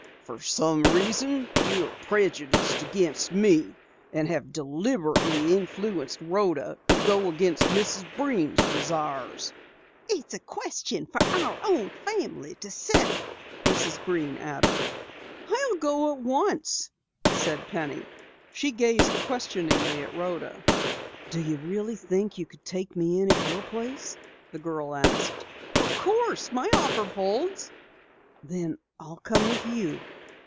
"For some reason you are prejudiced against me, and have deliberately influenced Rhoda to go against Mrs. Breen's desires." "It's a question for our own family to settle," Mrs. Breen added. "I'll go at once," said Penny. She gazed questioningly at Rhoda. "Do you really think you could take me in at your place?" the girl asked. "Of course. My offer holds." "Then I'll come with you!"